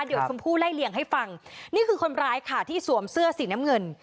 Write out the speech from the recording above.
เดี๋ยวชมพู่ไล่เลี่ยงให้ฟังนี่คือคนร้ายค่ะที่สวมเสื้อสีน้ำเงิน